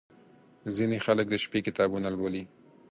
• ځینې خلک د شپې کتابونه لولي.